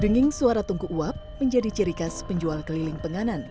denging suara tungku uap menjadi ciri khas penjual keliling penganan